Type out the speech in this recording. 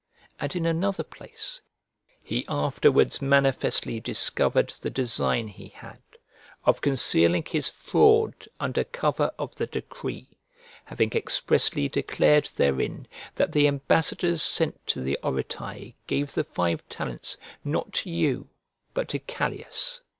" And in another place: "He afterwards manifestly discovered the design he had, of concealing his fraud under cover of the decree, having expressly declared therein that the ambassadors sent to the Oretae gave the five talents, not to you, but to Callias.